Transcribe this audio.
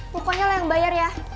pokoknya lah yang bayar ya